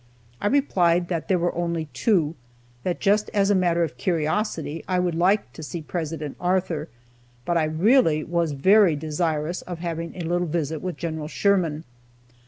I replied that there were only two; that just as a matter of curiosity I would like to see President Arthur, but I really was very desirous of having a little visit with Gen. Sherman.